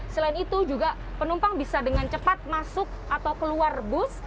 selain itu juga penumpang bisa dengan cepat masuk atau keluar bus